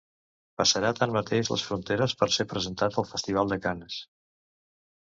Passarà tanmateix les fronteres per ser presentat al Festival de Canes.